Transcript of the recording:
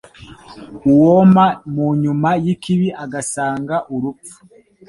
uwoma mu nyuma y’ikibi agasanga urupfu